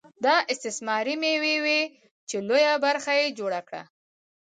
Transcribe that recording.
دا استثماري مېوې وې چې لویه برخه یې جوړه کړه